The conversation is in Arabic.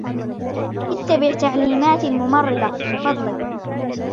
اتّبع تعليمات الممرضة ، من فضلك.